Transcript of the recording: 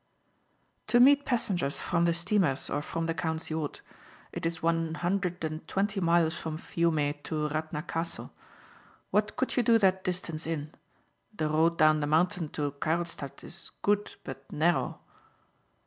"To meet passengers from the steamers or from the count's yacht. It is one hundred and twenty miles from Fiume to Radna Castle. What could you do that distance in? The road down the mountain to Karlstadt is good but narrow."